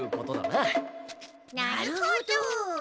なるほど。